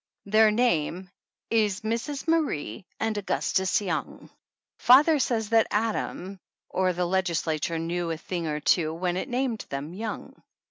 Their name is Mrs. Marie and Augustus Young. Father says that Adam or the legisla 72 THE ANNALS OF ANN ture knew a thing or two when it named them Young.